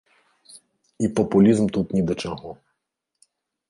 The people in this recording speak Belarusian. І папулізм тут ні да чаго.